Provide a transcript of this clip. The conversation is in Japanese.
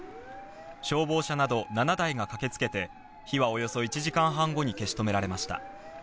消防車など７台が駆けつけて火はおよそ１時間半後に消し止められました。